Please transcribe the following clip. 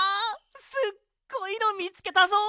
すっごいのみつけたぞ！